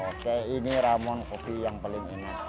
oke ini ramon kopi yang paling enak